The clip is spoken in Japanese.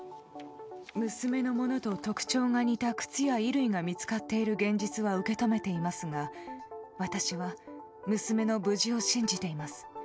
娘のものと特徴が似た靴や衣類が見つかっている現実は受け止めていますが、私は娘の無事を信じています。